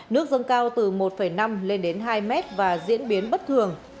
nước dâng cao từ một năm lên đến hai mét và diễn biến bất thường